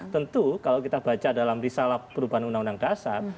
tentu kalau kita baca dalam risalah perubahan undang undang dasar